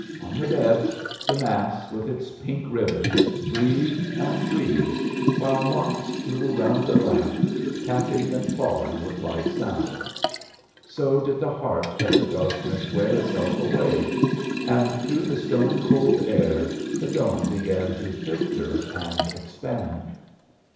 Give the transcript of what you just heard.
On the bed the mass, with its pink ribbons, breathed and breathed, while moths flew round the lamp, tapping and falling with light sounds. So did the heart of the darkness wear itself away, and through the stone cold air the dawn began to filter and expand.